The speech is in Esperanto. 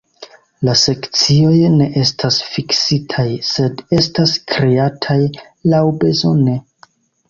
La Sekcioj ne estas fiksitaj, sed estas kreataj laŭbezone.